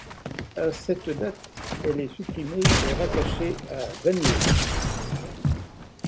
À cette date, elle est supprimée et rattachée à Venlo.